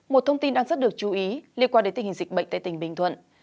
một thông tin đang rất được chú ý liên quan đến tình hình dịch bệnh tại tỉnh bình thuận